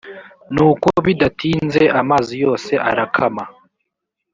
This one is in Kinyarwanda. nuko bidatinze amazi yose arakama